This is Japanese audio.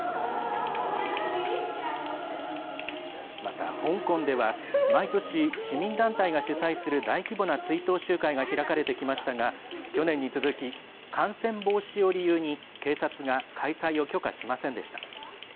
また香港では、毎年市民団体が主催する大規模な追悼集会が開かれてきましたが去年に続き、感染防止を理由に警察が開催を許可しませんでした。